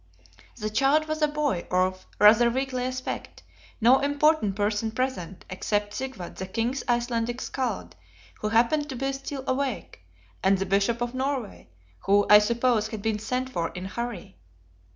The child was a boy, of rather weakly aspect; no important person present, except Sigvat, the King's Icelandic Skald, who happened to be still awake; and the Bishop of Norway, who, I suppose, had been sent for in hurry.